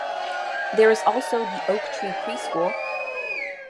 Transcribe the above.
There is also the Oak Tree Pre-School.